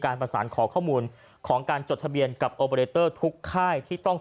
การประสานขอข้อมูลของการจดทะเบียนกับทุกค่ายที่ต้อง